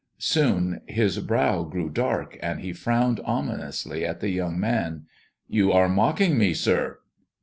Soon his brow grew dark, and he frowned ominously at the young man. You are mocking me, sir."